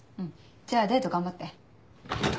じゃあデート頑張って。